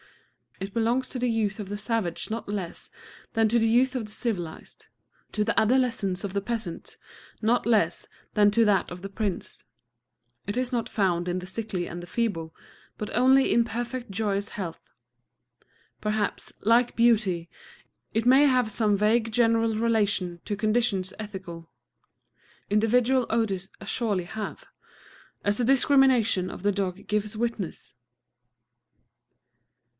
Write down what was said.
It belongs to the youth of the savage not less than to the youth of the civilized, to the adolescence of the peasant not less than to that of the prince. It is not found in the sickly and the feeble, but only in perfect joyous health. Perhaps, like beauty, it may have some vague general relation to conditions ethical. Individual odors assuredly have, as the discrimination of the dog gives witness.